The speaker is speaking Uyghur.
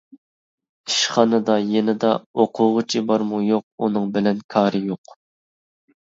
ئىشخانىدا، يېنىدا، ئوقۇغۇچى بارمۇ-يوق ئۇنىڭ بىلەن كارى يوق.